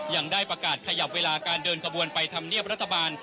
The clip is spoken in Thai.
ยังได้ประกาศขยับเวลาการเดินขบวนไปทำเนียบรัฐบาล